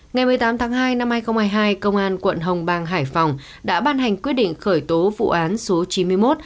ngày một mươi tám tháng hai năm hai nghìn hai mươi hai công an quận hồng bàng hải phòng đã ban hành quyết định khởi tố vụ án số chín mươi một